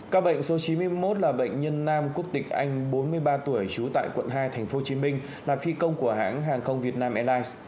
ca bệnh số chín mươi một là bệnh nhân nam quốc tịch anh bốn mươi ba tuổi trú tại quận hai thành phố hồ chí minh là phi công của hãng hàng không việt nam airlines